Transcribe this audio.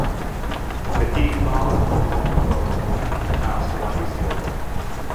The King bowed low before Dorothy, and asked, "What is your command?"